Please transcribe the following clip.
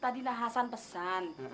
tadi nah hasan pesan